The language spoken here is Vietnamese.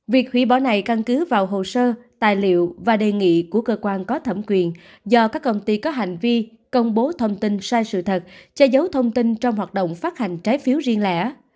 việc hủy bỏ này căn cứ vào hồ sơ tài liệu và đề nghị của cơ quan có thẩm quyền do các công ty có hành vi công bố thông tin sai sự thật che giấu thông tin trong hoạt động phát hành trái phiếu riêng lẻ